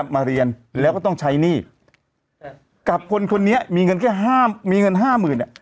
มีเงินแค่มีเงิน๕หมื่น